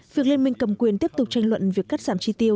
việc liên minh cầm quyền tiếp tục tranh luận việc cắt giảm chi tiêu